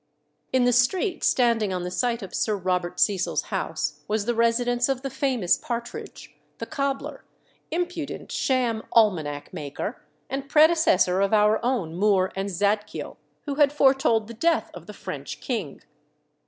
In the street standing on the site of Sir Robert Cecil's house was the residence of the famous Partridge, the cobbler, impudent sham almanac maker, and predecessor of our own Moore and Zadkiel, who had foretold the death of the French king.